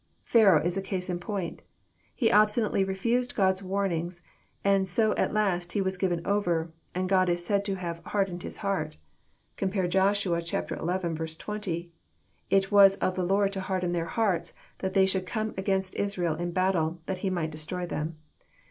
Pharaoh is a case in point. He obstinately refused God's warnings, and so at last He was given over, and God is said to have hardened his heart. " Compare Joshua xi. 20 :" It was of the Lord to harden their hearts, that they should come against Israel in battle, that He might destroy them."